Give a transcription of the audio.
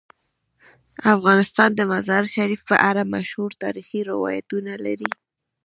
افغانستان د مزارشریف په اړه مشهور تاریخی روایتونه لري.